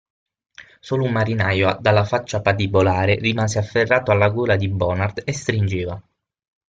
Solo un marinaio dalla faccia patibolare rimase afferrato alla gola di Bonard e stringeva.